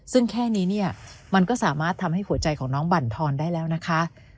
ซึ่งแค่นี้เนี่ยมันก็สามารถทำให้หัวใจของน้องบั่นทอนได้แล้วนะคะ